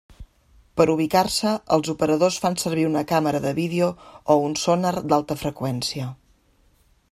Per ubicar-se els operadors fan servir una càmera de vídeo o un sonar d'alta freqüència.